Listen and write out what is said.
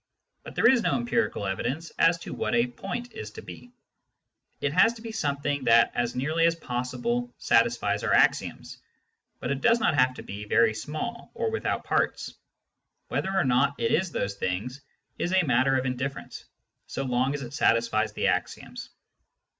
But there is no empirical evidence as to what a " point " is to be. It has to be something that as nearly as possible satisfies our axioms, but it does not have to be " very small " or " without parts." Whether pr not it is those things is a matter of indifference, so long as it satisfies the axioms.